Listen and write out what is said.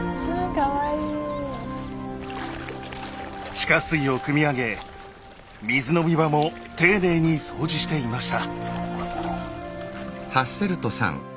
地下水をくみ上げ水飲み場も丁寧に掃除していました。